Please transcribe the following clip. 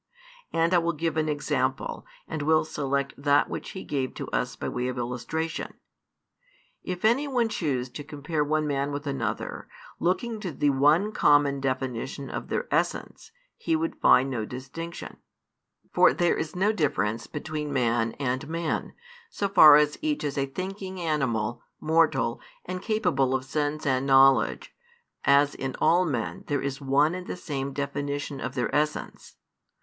And I will give an example, and will select that which he gave to us by way of illustration. If any one choose to |353 compare one man with another, looking to the one common definition of their essence, he would find no distinction; for there is no difference between man and man, so far as each is a thinking animal, mortal, and capable of sense and knowledge, as in all men there is one and the same definition of their essence.